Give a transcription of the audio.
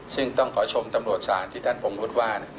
ซึ่งต้องขอชมตำรวจศาลที่ท่านพงวุฒิว่า